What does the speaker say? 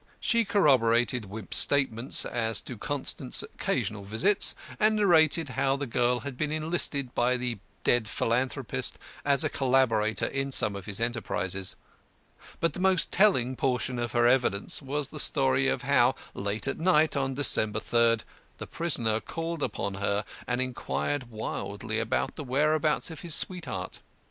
She corroborated Wimp's statements as to Constant's occasional visits, and narrated how the girl had been enlisted by the dead philanthropist as a collaborator in some of his enterprises. But the most telling portion of her evidence was the story of how, late at night, on December 3rd, the prisoner called upon her and inquired wildly about the whereabouts of his sweetheart.